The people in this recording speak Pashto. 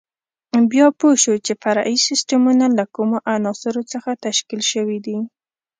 بیا پوه شو چې فرعي سیسټمونه له کومو عناصرو څخه تشکیل شوي دي.